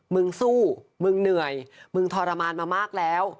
มึงสู้มึงเหนื่อยมึงทรมานมามากแล้ว